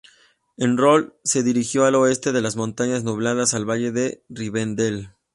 Elrond se dirigió al oeste de las Montañas Nubladas, al valle de Rivendel.